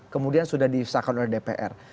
kemudian sudah disahkan oleh dpr